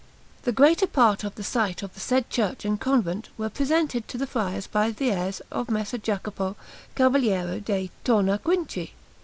The greater part of the site of the said church and convent was presented to the friars by the heirs of Messer Jacopo, Cavaliere de' Tornaquinci.